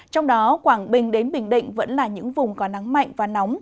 trong đó quảng bình đến bình định vẫn là những vùng có nắng mạnh và nóng